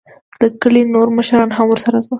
دکلي نوور مشران هم ورسره وو.